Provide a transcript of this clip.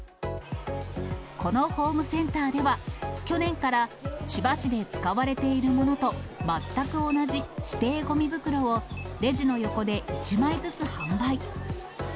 このホームセンターでは、去年から千葉市で使われているものと全く同じ指定ごみ袋を、レジの横で１枚ずつ販売。